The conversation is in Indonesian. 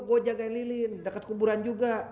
gue jagain lilin dekat kuburan juga